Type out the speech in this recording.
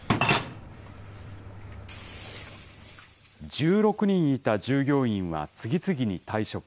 １６人いた従業員は次々に退職。